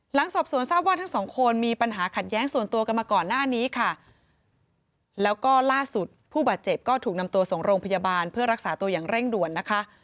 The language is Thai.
หลังสอบสวนทราบว่าทั้งสองคนมีปัญหาขัดแย้งส่วนตัวกันมาก่อนหน้านี้ค่ะแล้วก็ล่าสุดผู้บาดเจ็บก็ถูกนำตัวส่งโรงพยาบาลเพื่อรักษาตัวอย่างเร่งด่วนนะคะ